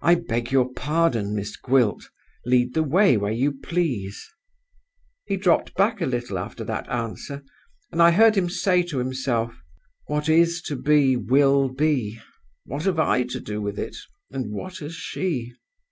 'I beg your pardon, Miss Gwilt; lead the way where you please.' He dropped back a little after that answer, and I heard him say to himself, 'What is to be will be. What have I to do with it, and what has she?